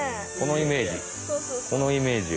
このイメージ。